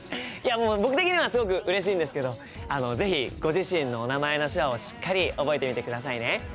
もう僕的にはすごくうれしいんですけどあの是非ご自身のお名前の手話をしっかり覚えてみてくださいね。